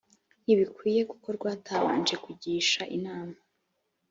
ntibikwiye gukorwa hatabanje kugisha inama